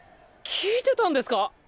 聞いてたんですか！？